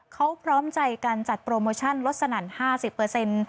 เขาพร้อมใจการจัดโปรโมชั่นลดสนั่นห้าสิบเปอร์เซ็นต์